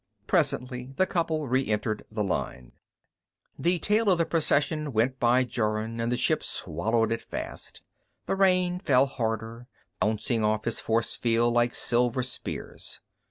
Presently the couple re entered the line. The tail of the procession went by Jorun and the ship swallowed it fast. The rain fell harder, bouncing off his force shield like silver spears.